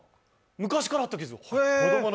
昔からあった傷？